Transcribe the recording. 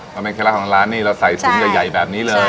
อก่อนเป็นเครือของร้านนี้ใส่ชุมใหญ่แบบนี้เลย